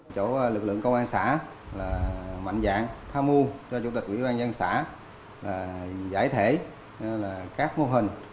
chỗ lực lượng công an xã là mạnh dạng tham mưu cho chủ tịch quỹ ban dân xã giải thể các mô hình